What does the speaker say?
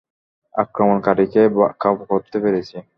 আক্রমণকারীকে কাবু করতে পেরেছি।